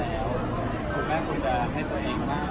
แต่เมื่งให้มายก็ได้ว่าผู้หญิงก็ได้